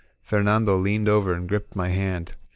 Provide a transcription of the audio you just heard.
Fernando leaned over and gripped my hand.